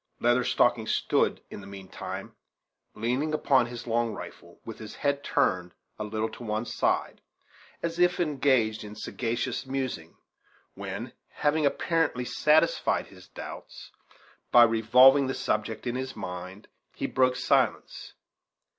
Leather Stocking stood, in the meantime, leaning upon his long rifle, with his head turned a little to one side, as if engaged in sagacious musing; when, having apparently satisfied his doubts, by revolving the subject in his mind, he broke silence.